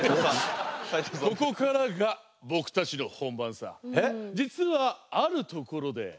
ここからが僕たちの本番さ。